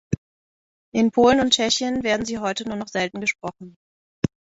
In Polen und Tschechien werden sie heute nur noch selten gesprochen.